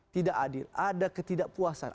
tidak adil ada ketidakpuasan